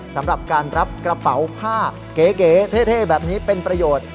สำหรับการรับกระเป๋าผ้าเก๋เท่แบบนี้เป็นประโยชน์